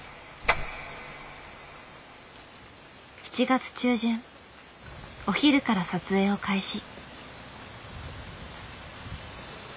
７月中旬お昼から撮影を開始。